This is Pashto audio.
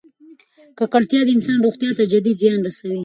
ککړتیا د انسان روغتیا ته جدي زیان رسوي.